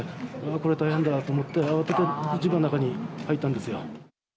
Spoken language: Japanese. これは大変だと思って、慌てて自分は中に入ったんですよ。